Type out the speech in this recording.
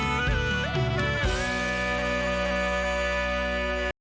โปรดติดตามตอนต่อไป